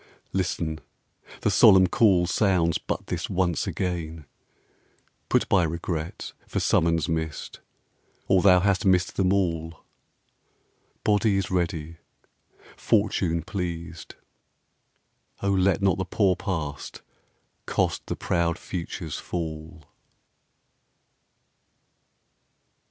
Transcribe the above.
Listen; the solemn call Sounds but this once again. Put by regret For summons missed, or thou hast missed them all. Body is ready, Fortune pleased; O let Not the poor Past cost the proud Future's fall.